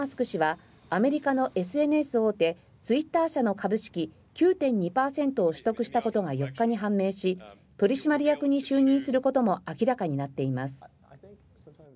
氏はアメリカのＳＮＳ大手ツイッター社の株式９．２％を取得したことが４日に判明し取締役に就任することも明らかになっています。